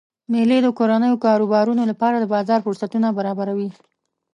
میلې د کورنیو کاروبارونو لپاره د بازار فرصتونه برابروي.